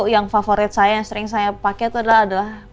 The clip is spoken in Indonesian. yang favorit saya yang sering saya pakai itu adalah